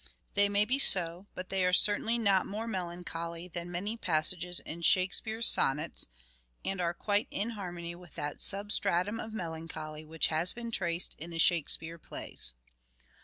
They may be so, but they are certainly not more melancholy than many passages in " Shakespeare's " sonnets, and are quite in harmony with that substratum of melancholy which has been traced in the Shakespeare plays.